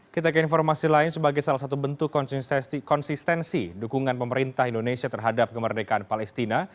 kita ke informasi lain sebagai salah satu bentuk konsistensi dukungan pemerintah indonesia terhadap kemerdekaan palestina